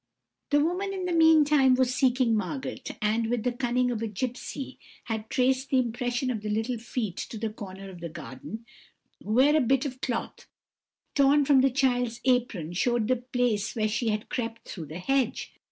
"The woman, in the meantime, was seeking Margot, and, with the cunning of a gipsy, had traced the impression of the little feet to the corner of the garden, where a bit of cloth torn from the child's apron showed the place where she had crept through the hedge.